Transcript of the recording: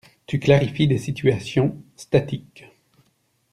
Tu clarifies des situations statiques.